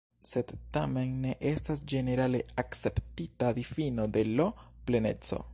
Sed tamen ne estas ĝenerale akceptita difino de L-pleneco.